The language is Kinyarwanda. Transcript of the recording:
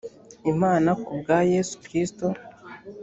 imana ku bwa yesu kristo